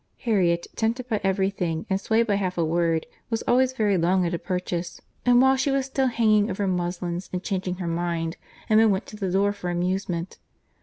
Harriet, tempted by every thing and swayed by half a word, was always very long at a purchase; and while she was still hanging over muslins and changing her mind, Emma went to the door for amusement.